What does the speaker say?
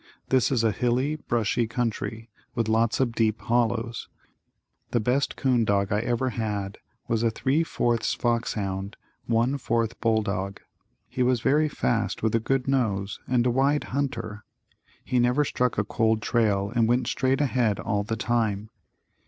This is a hilly, brushy country, with lots of deep hollows. The best 'coon dog I ever had was a three fourths fox hound, one fourth bull dog. He was very fast with a good nose and a wide hunter. He never struck a cold trail and went straight ahead all the time.